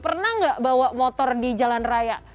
pernah nggak bawa motor di jalan raya